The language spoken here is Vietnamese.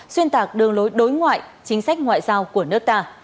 xuyên tạc đường lối đối ngoại chính sách ngoại giao của nước ta